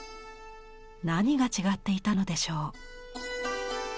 何が違っていたのでしょう。